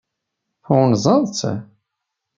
Tɣunzaḍ-tt?